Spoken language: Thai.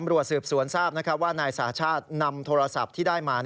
ตำรวจสืบสวนทราบนะครับว่านายสาชาตินำโทรศัพท์ที่ได้มา